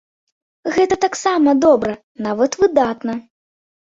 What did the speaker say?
Гэта таксама добра, нават выдатна!